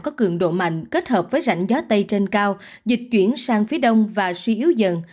có cường độ mạnh kết hợp với rãnh gió tây trên cao dịch chuyển sang phía đông và suy yếu dần